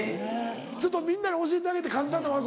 ちょっとみんなに教えてあげて簡単な技。